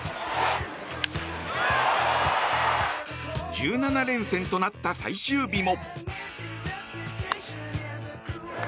１７連戦となった最終日も。